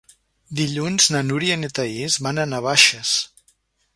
Dilluns na Núria i na Thaís van a Navaixes.